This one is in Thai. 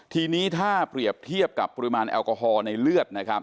ทีนี้ถ้าเปรียบเทียบกับปริมาณแอลกอฮอล์ในเลือดนะครับ